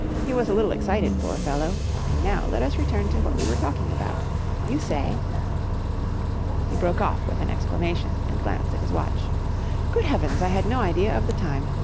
He was a little excited, poor fellow. And now let us return to what we were talking about. You say...." He broke off with an exclamation, and glanced at his watch. "Good Heavens! I had no idea of the time.